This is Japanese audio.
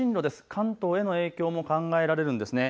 関東への影響も考えられるんですね。